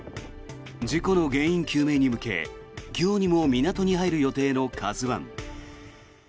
事故の原因究明に向け今日にも港に入る予定の「ＫＡＺＵ１」。